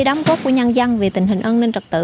đám gốc của nhân dân về tình hình an ninh trật tự